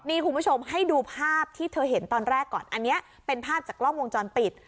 นี่คุณผู้ชมให้ดูภาพที่เธอเห็นตอนแรกก่อนอันนี้เป็นภาพจากกล้องวงจรปิด